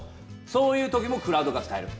そういう時もクラウドが使える。